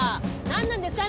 何なんですか？